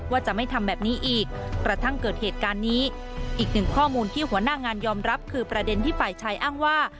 ว่าจะไม่ทำแบบนี้อีกกระทั่งเกิดเหตุการณ์นี้อีกหนึ่งข้อมูลที่หัวหน้างานยอมรับคือประเด็นที่ฝ่ายชายอ้างว่า